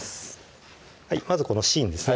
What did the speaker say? まずこの芯ですね